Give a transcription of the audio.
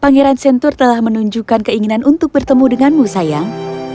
pangeran centur telah menunjukkan keinginan untuk bertemu denganmu sayang